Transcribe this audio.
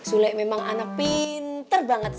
sulek memang anak pinter banget